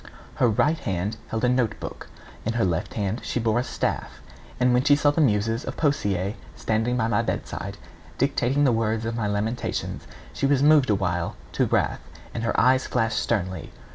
[B] Her right hand held a note book; in her left she bore a staff. And when she saw the Muses of Poesie standing by my bedside, dictating the words of my lamentations, she was moved awhile to wrath, and her eyes flashed sternly.